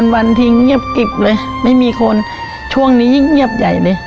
วันที่เงียบกิบเลยไม่มีคนช่วงนี้ยิ่งเงียบใหญ่เลย